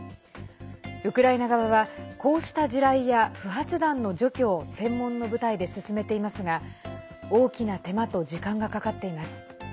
ウクライナ側はこうした地雷や不発弾の除去を専門の部隊で進めていますが大きな手間と時間がかかっています。